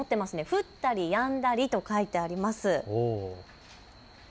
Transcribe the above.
降ったりやんだりと書いてあります。